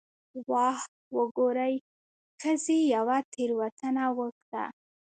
'واه وګورئ، ښځې یوه تېروتنه وکړه'.